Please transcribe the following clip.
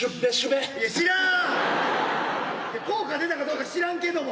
いや効果出たかどうか知らんけども。